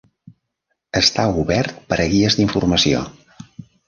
Està obert per a guies d'informació.